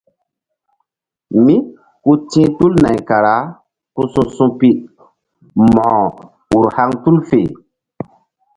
Mí ku ti̧h tul nay kara ku su̧su̧pi mo̧ko ur haŋ tul fe.